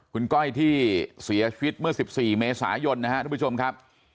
คุณก้อยที่เสียชีวิตเมื่อ๑๔เมษายนนะครับทุกผู้ชมครับ